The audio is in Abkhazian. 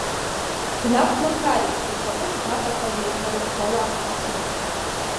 Днақәмақарит, лхаԥыц ӷаӷақәа неихарыӷәӷәауа, Хаԥҭина.